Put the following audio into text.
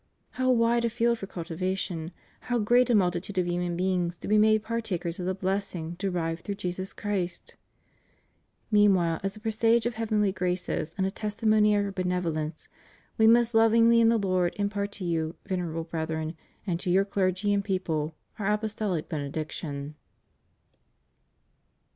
How wide a field for cultivation! How great a multitude of human beings to be made partakers of the blessing derived through Jesus Christ! Meanwhile, as a presage of heavenlj^ graces and a testimony of Our benevolence, We most lovingly in the Lord impart to you, Venerable Brethren, and to your clergy and people, Our Apostolic Benediction.